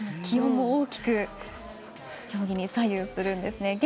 気温も大きく競技に左右するんですね。